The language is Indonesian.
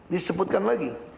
empat disebutkan lagi